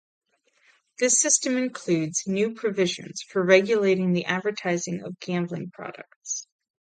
This system includes new provisions for regulating the advertising of gambling products.